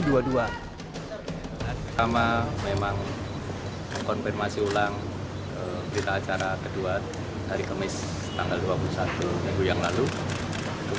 joko drono meminta penyadwalan ulang piala ffu dua puluh dua